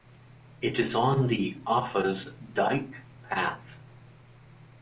It is on the Offa's Dyke Path.